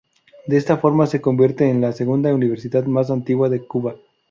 De esta forma se convierte en la segunda universidad más antigua de Cuba.